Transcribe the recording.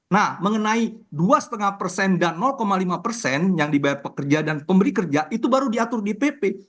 nah mengenai dua lima persen dan lima persen yang dibayar pekerja dan pemberi kerja itu baru diatur di pp